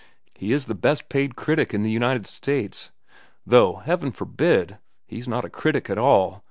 He is the best paid critic in the United States. Though, Heaven forbid! he's not a critic at all.